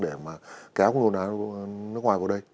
để mà kéo nguồn vốn nước ngoài vào đây